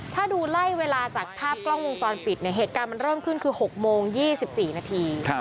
ถ้าดูไล่เวลาจากภาพกล้องวงจรปิดเนี่ยเหตุการณ์มันเริ่มขึ้นคือ๖โมง๒๔นาที